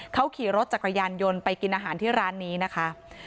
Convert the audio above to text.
เขาขี่รถจักรยานยนต์ไปกินอาหารที่ร้านนี้นะคะ